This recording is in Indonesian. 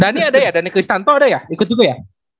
dhani ada ya dhani kristanto ada ya ikut juga ya